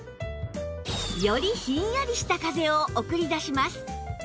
よりひんやりした風を送り出します